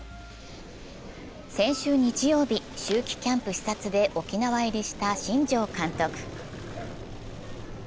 先週日曜日、秋季キャンプ視察で沖縄入りした新庄監督。